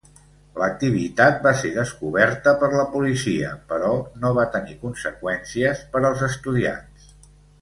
L'activitat va ser descoberta per la policia, però no va tenir conseqüències per als estudiants.